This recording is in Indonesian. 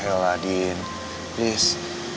yolah din please